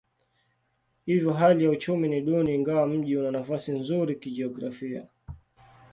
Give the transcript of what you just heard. Hivyo hali ya uchumi ni duni ingawa mji una nafasi nzuri kijiografia.